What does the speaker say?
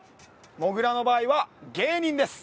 もぐらの場合は芸人です。